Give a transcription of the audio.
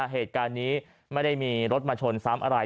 เหตุการณ์นี้ไม่ได้มีรถมาชนซ้ำอะไร